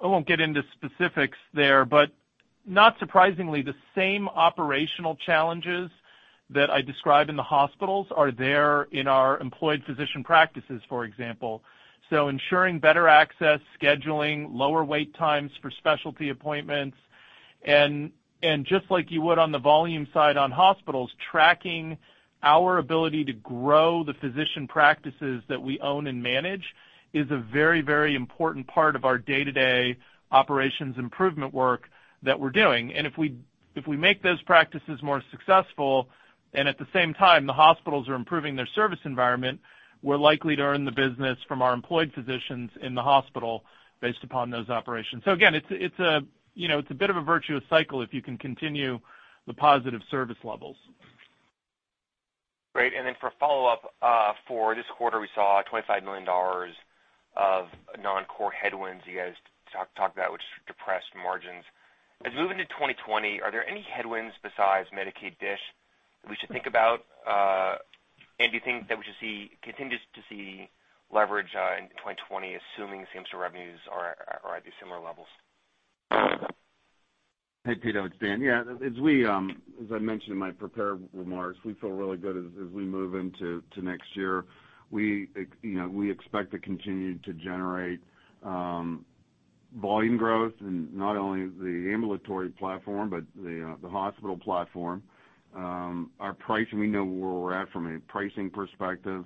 F: won't get into specifics there. Not surprisingly, the same operational challenges that I describe in the hospitals are there in our employed physician practices, for example. Ensuring better access, scheduling, lower wait times for specialty appointments, and just like you would on the volume side on hospitals, tracking our ability to grow the physician practices that we own and manage is a very important part of our day-to-day operations improvement work that we're doing. If we make those practices more successful, and at the same time, the hospitals are improving their service environment, we're likely to earn the business from our employed physicians in the hospital based upon those operations. Again, it's a bit of a virtuous cycle if you can continue the positive service levels.
K: Great. For follow-up, for this quarter, we saw $25 million of non-core headwinds you guys talked about, which depressed margins. As we move into 2020, are there any headwinds besides Medicaid DSH that we should think about? Do you think that we should continue to see leverage in 2020, assuming the same sort of revenues are at the similar levels?
D: Hey, Pito, it's Dan. Yeah, as I mentioned in my prepared remarks, we feel really good as we move into next year. We expect to continue to generate volume growth in not only the ambulatory platform, but the hospital platform. Our pricing, we know where we're at from a pricing perspective.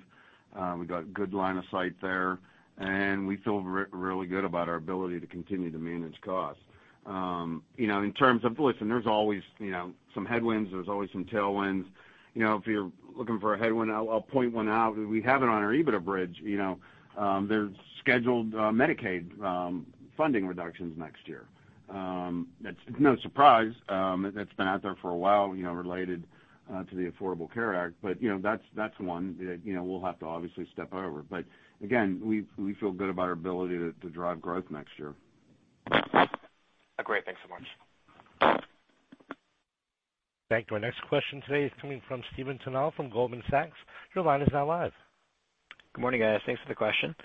D: We've got good line of sight there, and we feel really good about our ability to continue to manage costs. In terms of, listen, there's always some headwinds, there's always some tailwinds. If you're looking for a headwind, I'll point one out. We have it on our EBITDA bridge. There's scheduled Medicaid funding reductions next year. That's no surprise. That's been out there for a while, related to the Affordable Care Act. That's one that we'll have to obviously step over. Again, we feel good about our ability to drive growth next year.
K: Great. Thanks so much.
A: Back to our next question today is coming from Stephen Tanal from Goldman Sachs. Your line is now live.
L: Good morning, guys. Thanks for the question.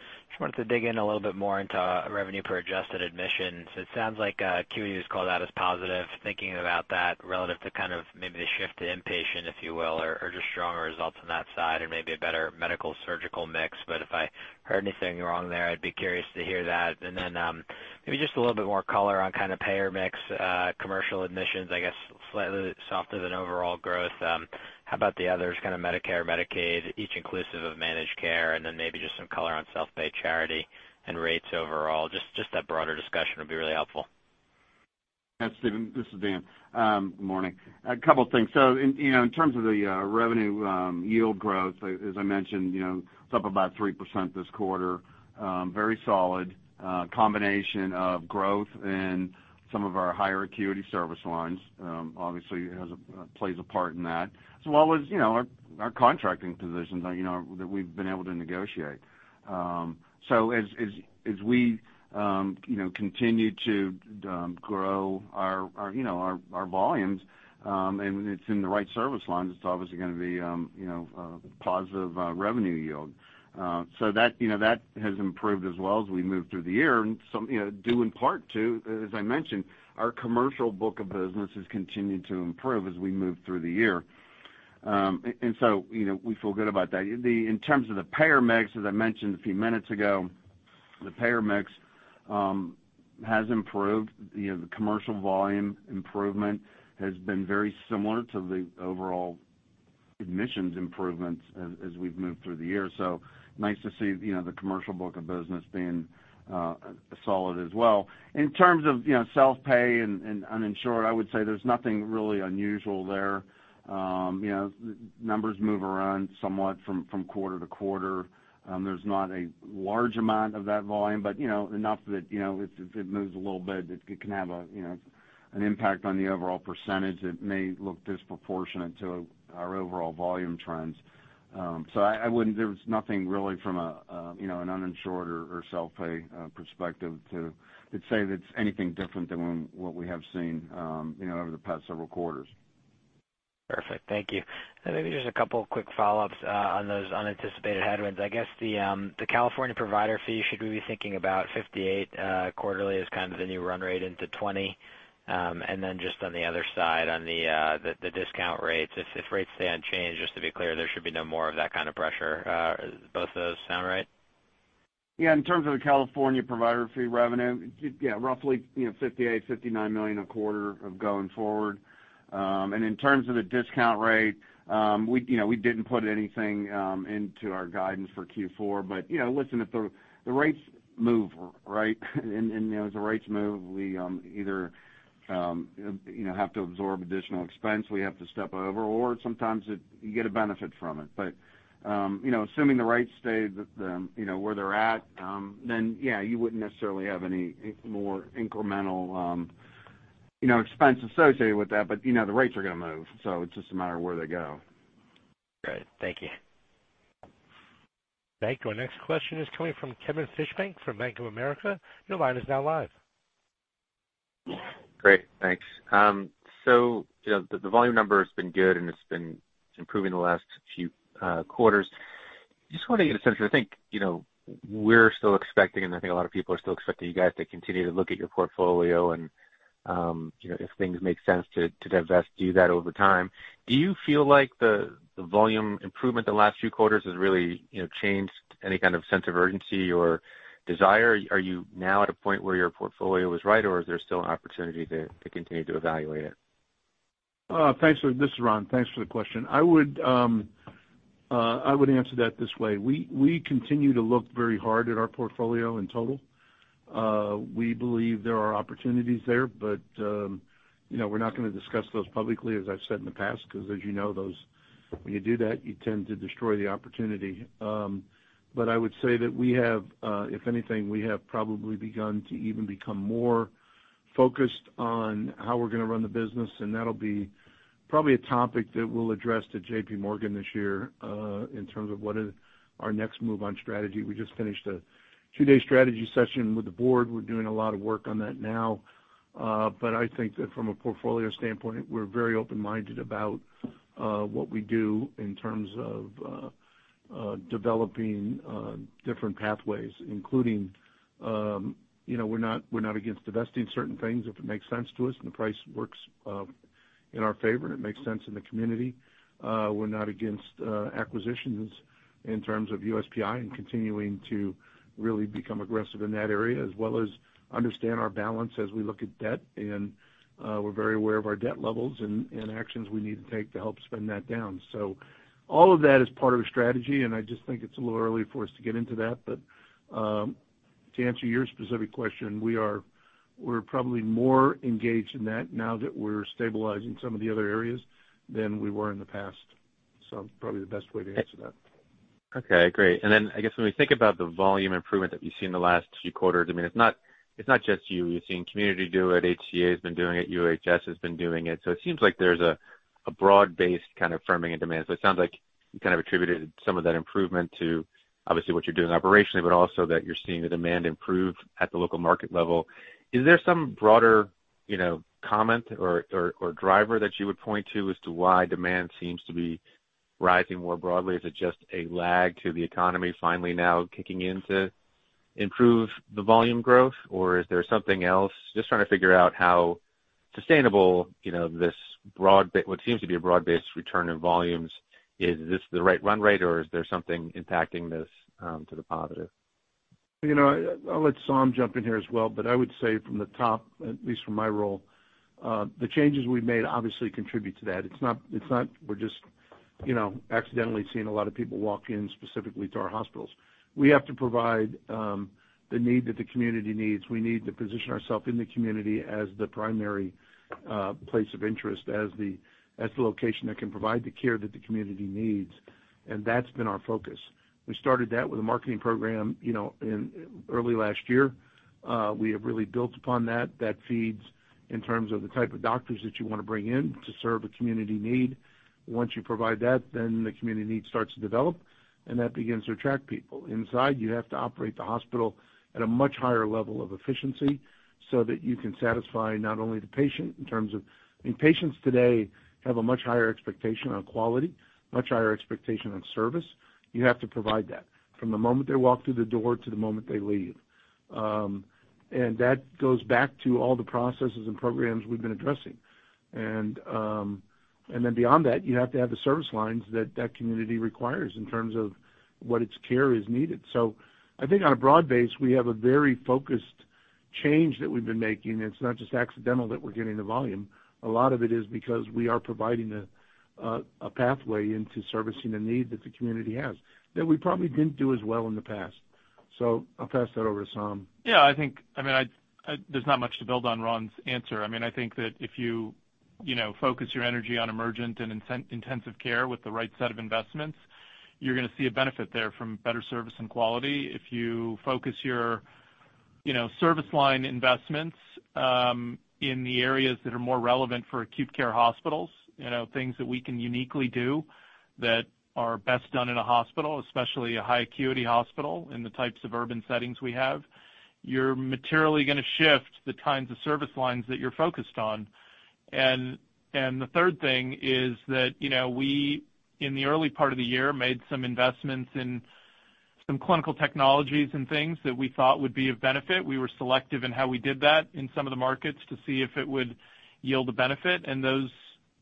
L: Wanted to dig in a little bit more into revenue per adjusted admissions. It sounds like acuity was called out as positive. Thinking about that relative to maybe the shift to inpatient, if you will, or just stronger results on that side and maybe a better medical surgical mix. If I heard anything wrong there, I'd be curious to hear that. Maybe just a little bit more color on payer mix, commercial admissions, I guess slightly softer than overall growth. How about the others, Medicare, Medicaid, each inclusive of managed care, maybe just some color on self-pay charity and rates overall. That broader discussion would be really helpful.
D: Yeah, Stephen, this is Dan. Morning. A couple of things. In terms of the revenue yield growth, as I mentioned, it's up about 3% this quarter. Very solid combination of growth and some of our higher acuity service lines obviously plays a part in that, as well as our contracting positions that we've been able to negotiate. As we continue to grow our volumes, and it's in the right service lines, it's obviously going to be a positive revenue yield. That has improved as well as we move through the year, and due in part to, as I mentioned, our commercial book of business has continued to improve as we move through the year. We feel good about that. In terms of the payer mix, as I mentioned a few minutes ago, the payer mix has improved. The commercial volume improvement has been very similar to the overall admissions improvements as we've moved through the year. Nice to see the commercial book of business being solid as well. In terms of self-pay and uninsured, I would say there's nothing really unusual there. Numbers move around somewhat from quarter-to-quarter. There's not a large amount of that volume, but enough that it moves a little bit, it can have an impact on the overall percentage that may look disproportionate to our overall volume trends. There was nothing really from an uninsured or self-pay perspective to say that it's anything different than what we have seen over the past several quarters.
L: Perfect. Thank you. Maybe just a couple quick follow-ups on those unanticipated headwinds. I guess the California Provider Fee, should we be thinking about $58 quarterly as kind of the new run rate into 2020? Then just on the other side, on the discount rates, if rates stay unchanged, just to be clear, there should be no more of that kind of pressure. Both of those sound right?
D: Yeah. In terms of the California provider fee revenue, yeah, roughly $58 million, $59 million a quarter of going forward. In terms of the discount rate, we didn't put anything into our guidance for Q4. Listen, the rates move, right? As the rates move, we either have to absorb additional expense, we have to step over, or sometimes you get a benefit from it. Assuming the rates stay where they're at, then yeah, you wouldn't necessarily have any more incremental expense associated with that. The rates are going to move, so it's just a matter of where they go.
L: Great. Thank you.
A: Thank you. Our next question is coming from Kevin Fischbeck from Bank of America. Your line is now live.
M: Great, thanks. The volume number has been good, and it's been improving the last few quarters. Just want to get a sense, I think we're still expecting, and I think a lot of people are still expecting you guys to continue to look at your portfolio and if things make sense to divest, do that over time. Do you feel like the volume improvement the last few quarters has really changed any kind of sense of urgency or desire? Are you now at a point where your portfolio is right, or is there still an opportunity to continue to evaluate it?
C: Thanks. This is Ron. Thanks for the question. I would answer that this way. We continue to look very hard at our portfolio in total. We believe there are opportunities there, but we're not going to discuss those publicly, as I've said in the past, because as you know, when you do that, you tend to destroy the opportunity. I would say that if anything, we have probably begun to even become more focused on how we're going to run the business, and that'll be probably a topic that we'll address to JPMorgan this year, in terms of what is our next move on strategy. We just finished a two-day strategy session with the board. We're doing a lot of work on that now. I think that from a portfolio standpoint, we're very open-minded about what we do in terms of developing different pathways, including we're not against divesting certain things if it makes sense to us and the price works in our favor, and it makes sense in the community. We're not against acquisitions in terms of USPI and continuing to really become aggressive in that area as well as understand our balance as we look at debt. We're very aware of our debt levels and actions we need to take to help spend that down. All of that is part of the strategy, and I just think it's a little early for us to get into that. To answer your specific question, we're probably more engaged in that now that we're stabilizing some of the other areas than we were in the past. Probably the best way to answer that.
M: Okay, great. I guess when we think about the volume improvement that we've seen in the last few quarters, it's not just you. We've seen Community do it, HCA has been doing it, UHS has been doing it. It seems like there's a broad-based kind of firming in demand. It sounds like you kind of attributed some of that improvement to obviously what you're doing operationally, but also that you're seeing the demand improve at the local market level. Is there some broader comment or driver that you would point to as to why demand seems to be rising more broadly? Is it just a lag to the economy finally now kicking in to improve the volume growth, or is there something else? Just trying to figure out how sustainable what seems to be a broad-based return in volumes. Is this the right run rate, or is there something impacting this to the positive?
C: I'll let Saum jump in here as well, but I would say from the top, at least from my role, the changes we've made obviously contribute to that. It's not we're just accidentally seeing a lot of people walk in specifically to our hospitals. We have to provide the need that the community needs. We need to position ourself in the community as the primary place of interest, as the location that can provide the care that the community needs. That's been our focus. We started that with a marketing program early last year. We have really built upon that. That feeds in terms of the type of doctors that you want to bring in to serve a community need. Once you provide that, then the community need starts to develop, and that begins to attract people. Inside, you have to operate the hospital at a much higher level of efficiency so that you can satisfy not only the patient. Patients today have a much higher expectation on quality, much higher expectation on service. You have to provide that from the moment they walk through the door to the moment they leave. That goes back to all the processes and programs we've been addressing. Beyond that, you have to have the service lines that that community requires in terms of what its care is needed. I think on a broad base, we have a very focused change that we've been making, and it's not just accidental that we're getting the volume. A lot of it is because we are providing a pathway into servicing a need that the community has that we probably didn't do as well in the past. I'll pass that over to Saum.
F: Yeah. There's not much to build on Ron's answer. I think that if you focus your energy on emergent and intensive care with the right set of investments, you're going to see a benefit there from better service and quality. If you focus your service line investments in the areas that are more relevant for acute care hospitals, things that we can uniquely do that are best done in a hospital, especially a high acuity hospital in the types of urban settings we have, you're materially going to shift the kinds of service lines that you're focused on. The third thing is that we, in the early part of the year, made some investments in some clinical technologies and things that we thought would be of benefit. We were selective in how we did that in some of the markets to see if it would yield a benefit, and those,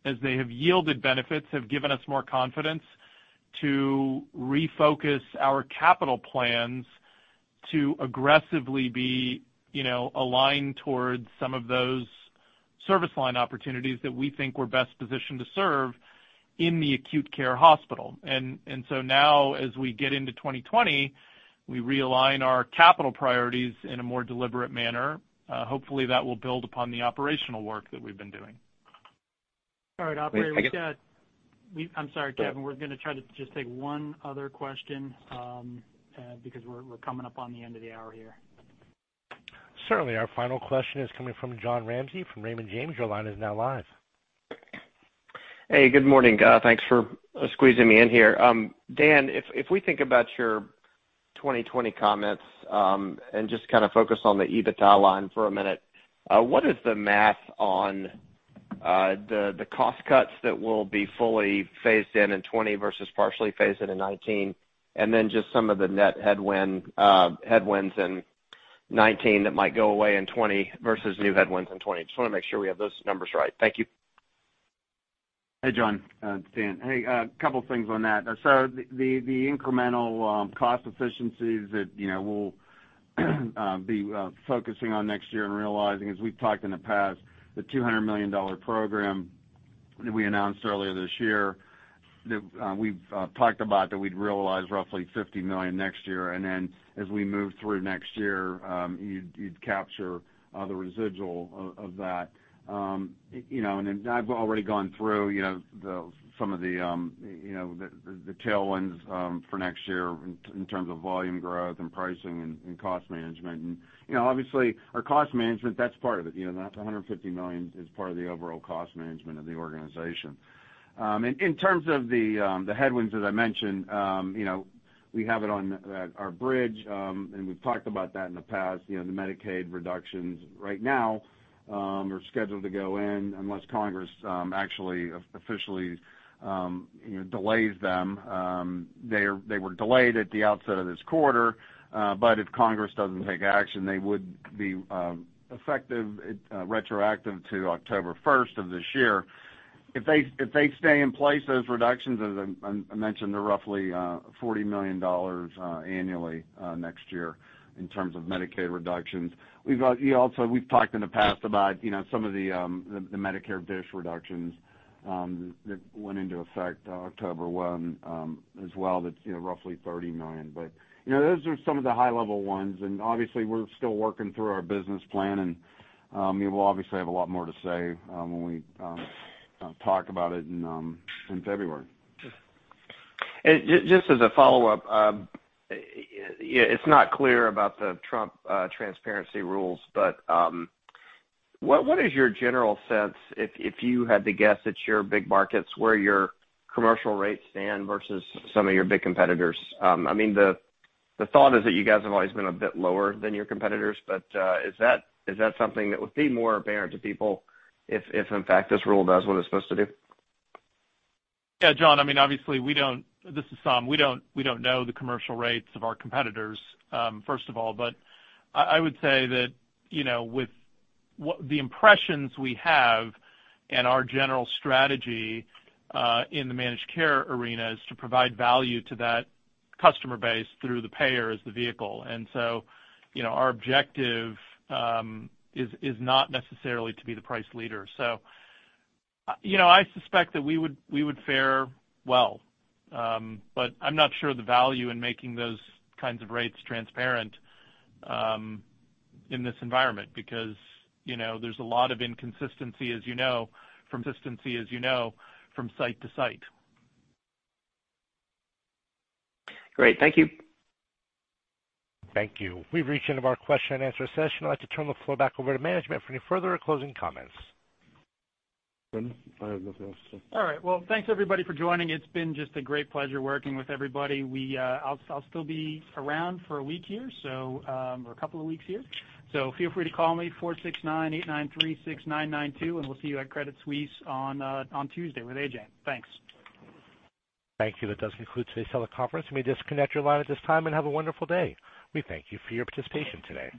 F: as they have yielded benefits, have given us more confidence to refocus our capital plans to aggressively be aligned towards some of those service line opportunities that we think we're best positioned to serve in the acute care hospital. Now, as we get into 2020, we realign our capital priorities in a more deliberate manner. Hopefully, that will build upon the operational work that we've been doing.
B: All right, operator. I'm sorry, Kevin. We're going to try to just take one other question, because we're coming up on the end of the hour here.
A: Certainly. Our final question is coming from John Ransom from Raymond James. Your line is now live.
N: Hey, good morning. Thanks for squeezing me in here. Dan, if we think about your 2020 comments, just focus on the EBITDA line for a minute, what is the math on the cost cuts that will be fully phased in in 2020 versus partially phased in 2019? Just some of the net headwinds in 2019 that might go away in 2020 versus new headwinds in 2020. Just want to make sure we have those numbers right. Thank you.
D: John. It's Dan. Couple things on that. The incremental cost efficiencies that we'll be focusing on next year and realizing, as we've talked in the past, the $200 million program that we announced earlier this year, that we've talked about, that we'd realize roughly $50 million next year. As we move through next year, you'd capture the residual of that. I've already gone through some of the tailwinds for next year in terms of volume growth and pricing and cost management. Obviously, our cost management, that's part of it. That $150 million is part of the overall cost management of the organization. In terms of the headwinds, as I mentioned, we have it on our bridge, and we've talked about that in the past. The Medicaid reductions right now are scheduled to go in unless Congress actually officially delays them. They were delayed at the outset of this quarter. If Congress doesn't take action, they would be effective retroactive to October 1 of this year. If they stay in place, those reductions, as I mentioned, they're roughly $40 million annually next year in terms of Medicaid reductions. We've talked in the past about some of the Medicare DSH reductions that went into effect October 1 as well. That's roughly $30 million. Those are some of the high-level ones. Obviously, we're still working through our business plan, and we will obviously have a lot more to say when we talk about it in February.
N: Just as a follow-up, it's not clear about the Trump transparency rules, but what is your general sense, if you had to guess at your big markets, where your commercial rates stand versus some of your big competitors? The thought is that you guys have always been a bit lower than your competitors, but is that something that would be more apparent to people if, in fact, this rule does what it's supposed to do?
F: Yeah, John. This is Saum. We don't know the commercial rates of our competitors, first of all. I would say that with the impressions we have and our general strategy in the managed care arena is to provide value to that customer base through the payer as the vehicle. Our objective is not necessarily to be the price leader. I suspect that we would fare well. I'm not sure the value in making those kinds of rates transparent in this environment, because there's a lot of inconsistency, as you know, from site to site.
N: Great. Thank you.
A: Thank you. We've reached the end of our question and answer session. I'd like to turn the floor back over to management for any further or closing comments.
C: Ron, I have nothing else to say.
B: All right. Thanks, everybody, for joining. It's been just a great pleasure working with everybody. I'll still be around for a week here. A couple of weeks here. Feel free to call me, 469-893-6992, and we'll see you at Credit Suisse on Tuesday with A.J. Thanks.
A: Thank you. That does conclude today's teleconference. You may disconnect your line at this time, and have a wonderful day. We thank you for your participation today.